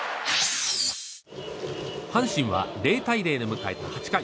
阪神は０対０で迎えた８回。